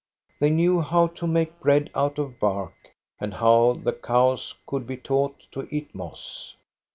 They knew how to make bread out of bark, and how the cows could be taught to eat moss.